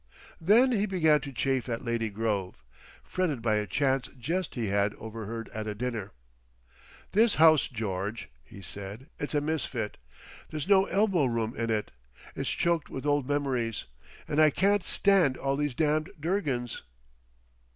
Then he began to chafe at Lady Grove, fretted by a chance jest he had overheard at a dinner. "This house, George," he said. "It's a misfit. There's no elbow room in it; it's choked with old memories. And I can't stand all these damned Durgans!